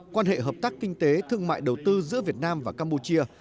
quan hệ hợp tác kinh tế thương mại đầu tư giữa việt nam và campuchia